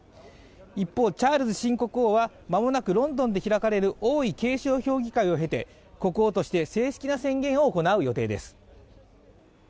一方、チャールズ新国王は間もなくロンドンで開かれる王位継承評議会を経て国王として正式な宣言を行う予定です。